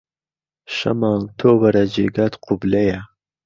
شەماڵ تۆ وەرە جێگات قوبلەیە